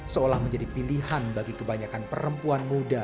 seolah menjadi pilihan bagi kebanyakan perempuan muda